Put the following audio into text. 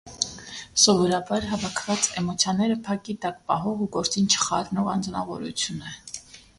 Սովորաբար հավաքված, էմոցիաները փակի տակ պահող ու գործին չխառնող անձնավորություն է։